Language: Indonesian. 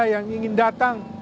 yang ingin datang